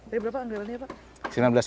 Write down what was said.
dari berapa anggaran ini pak